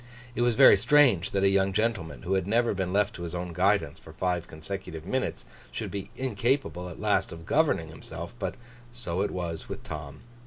It was very strange that a young gentleman who had never been left to his own guidance for five consecutive minutes, should be incapable at last of governing himself; but so it was with Tom.